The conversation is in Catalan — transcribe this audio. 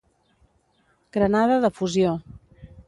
Granada de fusió: